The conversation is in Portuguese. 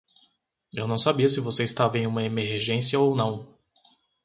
Eu não sabia se você estava em uma emergência ou não.